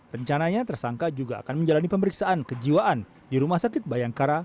rencananya tersangka juga akan menjalani pemeriksaan kejiwaan di rumah sakit bayangkara